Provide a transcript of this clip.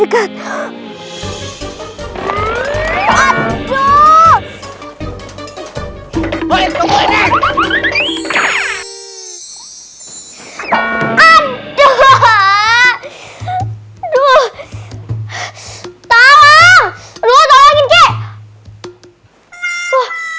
sekat ya involve hai hai hai hai aduh aku chef